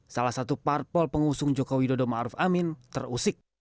salah satu parpol pengusung joko widodo ma'ruf amin terusik